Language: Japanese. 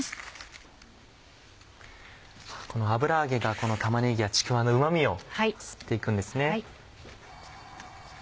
この油揚げが玉ねぎやちくわのうま味を吸って行くんですね。